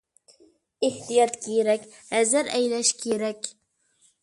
ئېھتىيات كېرەك! ھەزەر ئەيلەش كېرەك!